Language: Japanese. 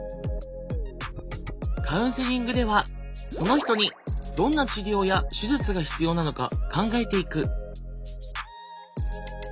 カウンセリングではその人にどんな治療や手術が必要なのか考えていく。